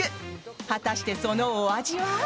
果たして、そのお味は？